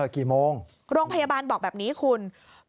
กี่โมงโรงพยาบาลบอกแบบนี้คุณ